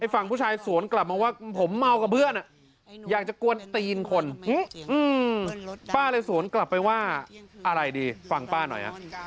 ฝั่งผู้ชายสวนกลับมาว่าผมเมากับเพื่อนอยากจะกวนตีนคนป้าเลยสวนกลับไปว่าอะไรดีฟังป้าหน่อย